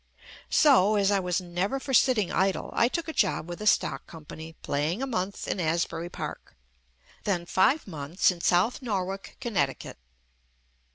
So, as I was never for sitting idle, I took a job with a stock com pany playing a month in Asbury Park, then five months in South Norwalk, Connecticut.